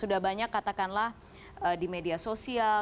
sudah banyak katakanlah di media sosial